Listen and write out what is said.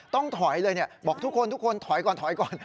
ต้องถอยเลยบอกทุกคนทุกคนถอยก่อนถอยก่อน